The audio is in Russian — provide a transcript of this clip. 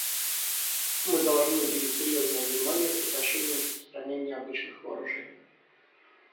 Мы должны уделить серьезное внимание прекращению распространения обычных вооружений.